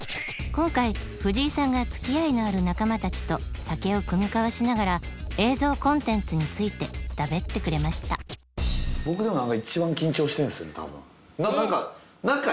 今回藤井さんがつきあいのある仲間たちと酒を酌み交わしながら映像コンテンツについてだべってくれました僕が一番緊張してるんですよね多分。